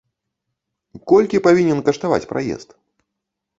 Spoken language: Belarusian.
Колькі павінен каштаваць праезд?